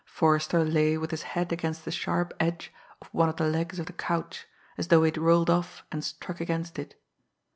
Forrester lay with his head against the sharp edge of one of the legs of the couch, as though he had rolled off and struck against it.